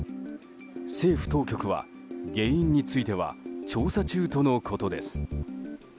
政府当局は原因については調査中とのことです。